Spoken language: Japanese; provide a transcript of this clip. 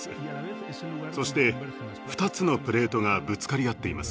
そして２つのプレートがぶつかり合っています。